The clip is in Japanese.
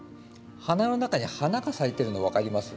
花の中に花が咲いてるの分かります？